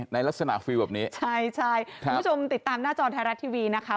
ในลักษณะฟิลล์แบบนี้ใช่ใช่คุณผู้ชมติดตามหน้าจอไทยรัฐทีวีนะคะ